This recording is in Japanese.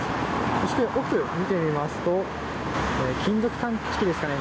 そして、奥を見てみますと金属探知機ですかね。